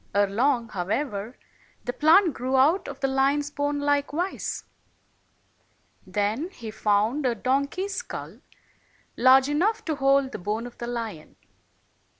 Ere long, however, the plant grew out of the lion's bone likewise. 268 Then he found a donkey's skull, large enough to hold the bone of the lion.